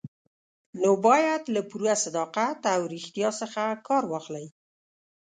نو باید له پوره صداقت او ریښتیا څخه کار واخلئ.